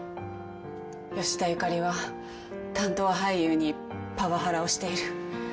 吉田ゆかりは担当俳優にパワハラをしている。